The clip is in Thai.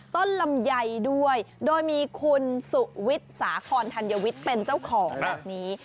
ลำไยด้วยโดยมีคุณสุวิทย์สาคอนธัญวิทย์เป็นเจ้าของแบบนี้